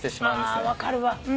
分かるわ！